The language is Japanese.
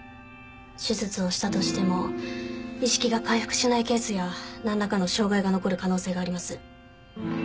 手術をしたとしても意識が回復しないケースやなんらかの障害が残る可能性があります。